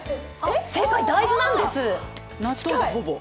正解は大豆なんです。